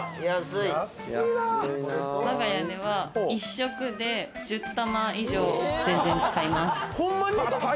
我が家では１食で、１０玉以上、使います。